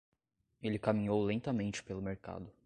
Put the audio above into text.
Ele caminhou lentamente pelo mercado.